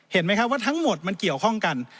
เห็นไหมครับว่าทั้งหมดมันเกี่ยวข้องกัน